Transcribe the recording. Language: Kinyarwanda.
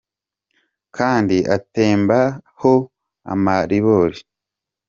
Kandi atemba ho amaribori.